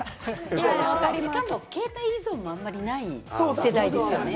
しかも携帯依存もあんまりない世代ですよね。